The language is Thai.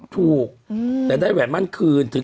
ถูกแต่ได้แหวนมั่นคืน